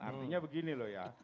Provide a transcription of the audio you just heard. artinya begini loh ya